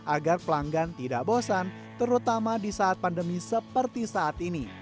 agar pelanggan tidak bosan terutama di saat pandemi seperti saat ini